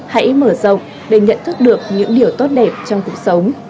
hãy mở rộng để nhận thức được những điều tốt đẹp trong cuộc sống